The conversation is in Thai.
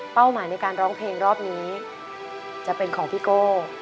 หมายในการร้องเพลงรอบนี้จะเป็นของพี่โก้